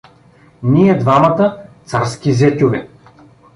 — Ние двамата — царски зетьове!